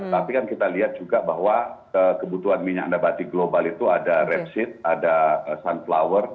tapi kan kita lihat juga bahwa kebutuhan minyak nabati global itu ada rap seat ada sunflower